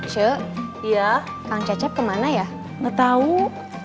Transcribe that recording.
jiduh hpnya sibuk